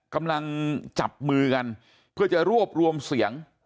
กำลังจับมือกันเพื่อจะรวบรวมเสียง